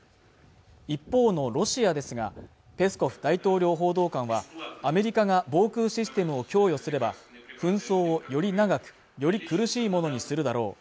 一方のロシアですがペスコフ大統領報道官はアメリカが防空システムを供与すれば紛争をより長くより苦しいものにするだろう